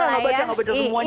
gak baca semuanya langsung